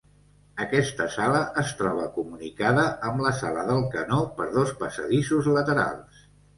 Aquesta sala es troba comunicada amb la sala del canó per dos passadissos laterals.